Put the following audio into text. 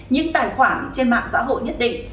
nhưng tài khoản trên mạng xã hội nhất định